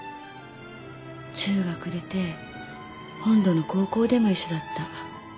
中学出て本土の高校でも一緒だった。